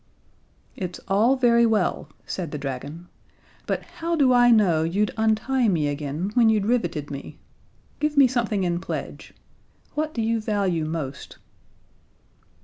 '" "It's all very well," said the dragon, "but how do I know you'd untie me again when you'd riveted me? Give me something in pledge. What do you value most?"